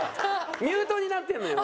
ミュートになってるのよ。